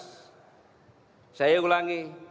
terus saya ulangi